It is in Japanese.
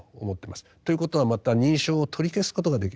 ということはまた認証を取り消すことができる。